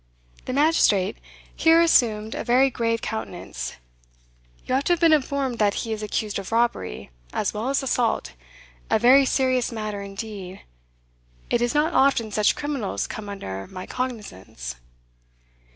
The magistrate here assumed a very grave countenance. "You ought to have been informed that he is accused of robbery, as well as assault a very serious matter indeed; it is not often such criminals come under my cognizance."